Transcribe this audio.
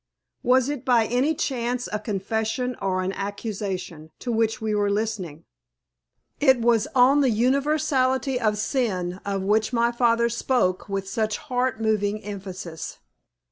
Was it by any chance a confession or an accusation to which we were listening? It was on the universality of sin of which my father spoke with such heart moving emphasis.